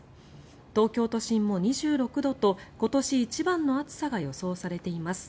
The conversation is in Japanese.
東京都心も２６度と今年一番の暑さが予想されています。